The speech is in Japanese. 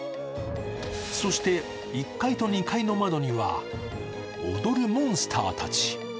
そして１階と２階の窓には踊るモンスターたち。